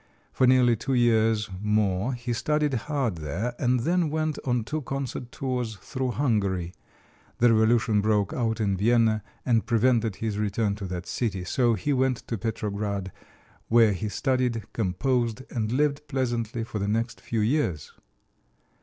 For nearly two years more he studied hard there, and then went on two concert tours through Hungary. The Revolution broke out in Vienna and prevented his return to that city, so he went to Petrograd, where he studied, composed and lived pleasantly for the next few years.